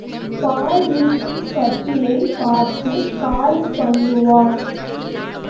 பால் இருக்கும் சட்டியைப் பார்த்துக் காலி பண்ணுவார்.